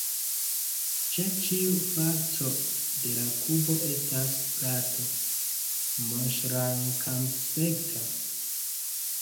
Ĉe ĉiu faco de la kubo estas plato, monŝrankaspekta.